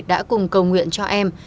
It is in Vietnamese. đã cùng cầu nguyện cho em